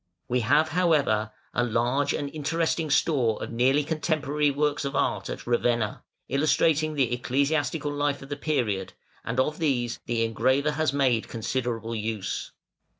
We have, however, a large and interesting store of nearly contemporary works of art at Ravenna, illustrating the ecclesiastical life of the period, and of these the engraver has made considerable use.